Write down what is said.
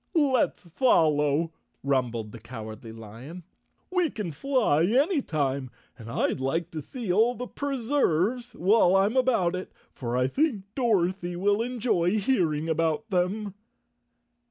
"Let's follow," rumbled the Cowardly Lion. "We can fly any time, and I'd like to see all the Preserves while I'm about it, for I think Dorothy will enjoy hearing about them."